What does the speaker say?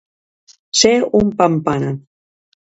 Ser un pampana.